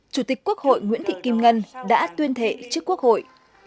chủ tịch quốc hội nguyễn thị kim ngân đã tuyên thệ trước quốc hội